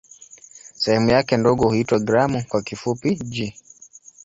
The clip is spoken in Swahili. Sehemu yake ndogo huitwa "gramu" kwa kifupi "g".